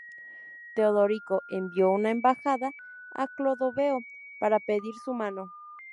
Teodorico envió una embajada a Clodoveo para pedir su mano.